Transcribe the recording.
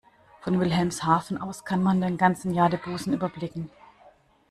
Von Wilhelmshaven aus kann man den ganzen Jadebusen überblicken.